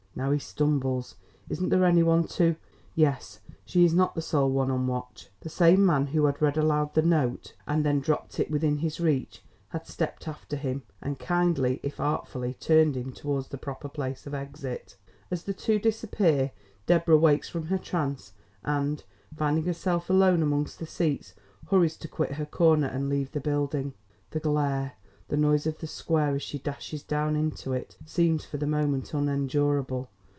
Now he stumbles Isn't there any one to Yes, she is not the sole one on watch. The same man who had read aloud the note and then dropped it within his reach, had stepped after him, and kindly, if artfully, turned him towards the proper place of exit. As the two disappear, Deborah wakes from her trance, and, finding herself alone among the seats, hurries to quit her corner and leave the building. The glare the noise of the square, as she dashes down into it seems for the moment unendurable.